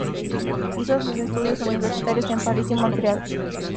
Hizo sus estudios universitarios en París y Montreal.